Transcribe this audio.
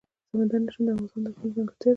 سمندر نه شتون د افغانستان د اقلیم ځانګړتیا ده.